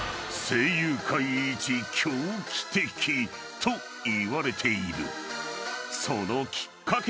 ［こういわれている］